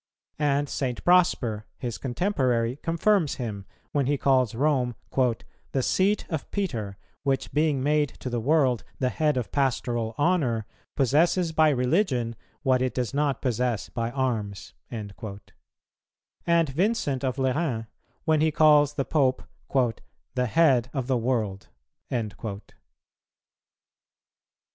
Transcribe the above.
And St. Prosper, his contemporary, confirms him, when he calls Rome "the seat of Peter, which, being made to the world the head of pastoral honour, possesses by religion what it does not possess by arms;" and Vincent of Lerins, when he calls the Pope "the head of the world."[161:4] 14.